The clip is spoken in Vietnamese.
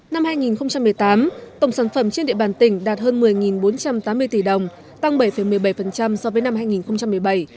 năm hai nghìn một mươi tám tổng sản phẩm trên địa bàn tỉnh đạt hơn một mươi bốn trăm tám mươi tỷ đồng tăng bảy một mươi bảy so với năm hai nghìn một mươi bảy